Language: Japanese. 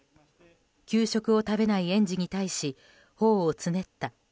給食を食べない園児に対し頬をつねった。